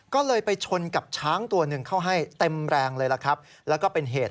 ก็เลยไปชนกับช้างตัวหนึ่งเข้าให้เต็มแรงเลยล่ะครับแล้วก็เป็นเหตุ